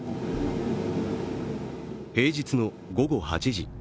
平日の午後８時。